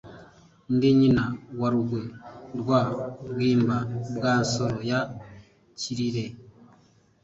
Ndi nyina wa Rugwe Rwa Bwimba bwa Nsoro ya Cyirire.